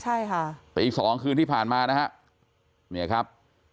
ใช่ค่ะแต่อีกสองคืนที่ผ่านมานะฮะเห็นไหมครับ